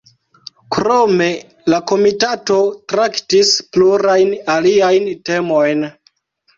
Krome la Komitato traktis plurajn aliajn temojn.